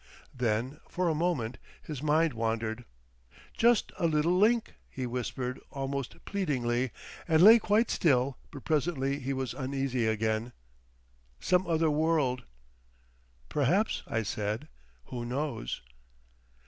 Then, for a moment, his mind wandered. "Just a little link," he whispered almost pleadingly, and lay quite still, but presently he was uneasy again. "Some other world" "Perhaps," I said. "Who knows?"